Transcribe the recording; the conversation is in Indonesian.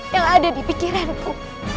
yang ada di pikiranku